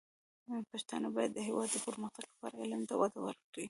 پښتانه بايد د هېواد د پرمختګ لپاره علم ته وده ورکړي.